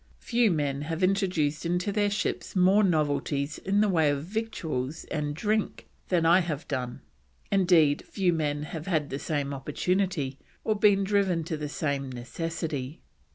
Few men have introduced into their ships more novelties in the way of victuals and drink than I have done; indeed, few men have had the same opportunity or been driven to the same necessity.